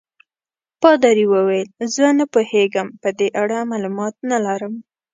پادري وویل: زه نه پوهېږم، په دې اړه معلومات نه لرم.